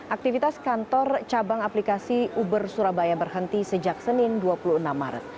aktivitas kantor cabang aplikasi uber surabaya berhenti sejak senin dua puluh enam maret